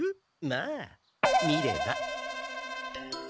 まあ見れば。